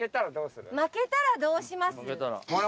負けたらどうします？